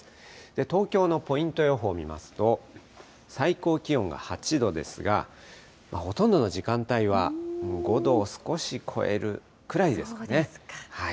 東京のポイント予報見ますと、最高気温が８度ですが、ほとんどの時間帯はもう５度を少し超えるくらいですね。